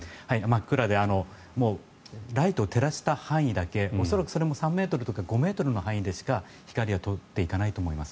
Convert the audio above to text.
真っ暗でライトを照らした範囲だけ恐らくそれも３ｍとか５ｍの範囲でしか光は通っていかないと思います。